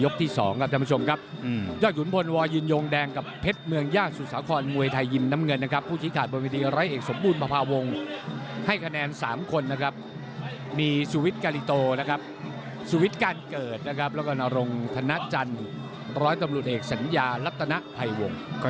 การเกิดนะครับแล้วก็นรงธนาจรรย์๑๐๐ตำรวจเอกสัญญารับตนภัยวงศ์